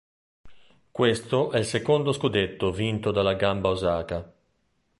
Questo è il secondo scudetto vinto dalla Gamba Osaka.